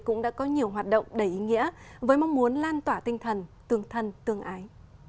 cũng đã có nhiều hoạt động đầy ý nghĩa với mong muốn lan tỏa tinh thần tương thân tương ái